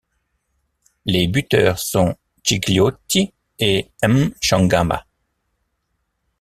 Les buteurs sont Gigliotti et M'Changama.